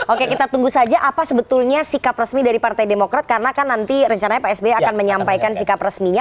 oke kita tunggu saja apa sebetulnya sikap resmi dari partai demokrat karena kan nanti rencananya pak sby akan menyampaikan sikap resminya